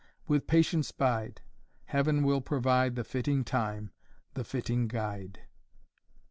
With patience bide. Heaven will provide The fitting time, the fitting guide."